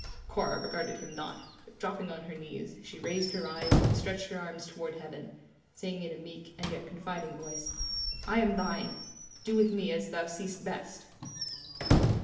Cora regarded him not, but dropping on her knees, she raised her eyes and stretched her arms toward heaven, saying in a meek and yet confiding voice: "I am thine; do with me as thou seest best!"